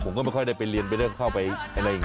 ผมก็ไม่ค่อยได้ไปเรียนเป็นเรื่องเข้าไปอะไรอย่างนี้